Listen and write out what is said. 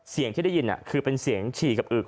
เสียงที่ได้ยินคือเป็นเสียงฉี่กับอึก